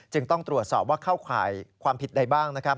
จึงต้องตรวจสอบว่าเข้าข่ายความผิดใดบ้าง